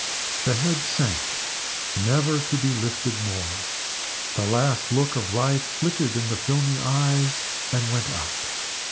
The head sank, never to be lifted more. The last look of life flickered in the filmy eyes and went out.